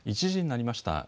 １時になりました。